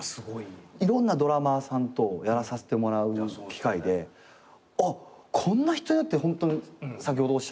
いろんなドラマーさんとやらさせてもらう機会であっこんな人やってホント先ほどおっしゃったような。